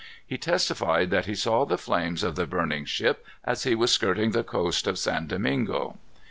He testified that he saw the flames of the burning ship as he was skirting the coast of San Domingo.